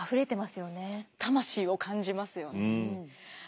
魂を感じますよね。